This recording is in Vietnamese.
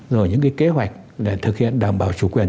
rồi những cái kế hoạch để thực hiện đảm bảo chủ quyền